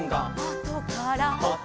「あとから」